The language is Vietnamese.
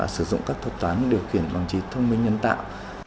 sử dụng các thuật toán điều khiển bằng trí thông minh nhân tạo